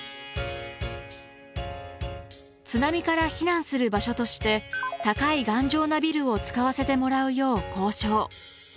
津波から避難する場所として高い頑丈なビルを使わせてもらうよう交渉。